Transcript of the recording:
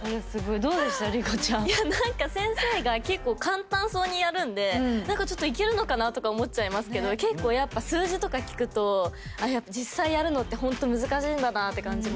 いや何か先生が結構簡単そうにやるんで何かちょっといけるのかなとか思っちゃいますけど結構やっぱ数字とか聞くとああ実際やるのってほんと難しいんだなって感じました。